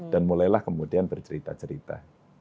dan mulailah kemudian bercerita cerita